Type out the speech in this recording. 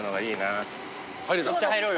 こっち入ろうよ。